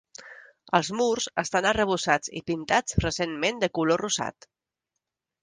Els murs estan arrebossats i pintats recentment de color rosat.